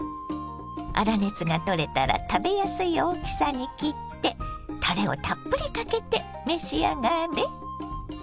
粗熱が取れたら食べやすい大きさに切ってたれをたっぷりかけて召し上がれ。